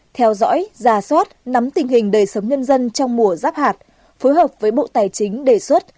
theo dõi giả soát nắm tình hình đời sống nhân dân trong mùa giáp hạt phối hợp với bộ tài chính đề xuất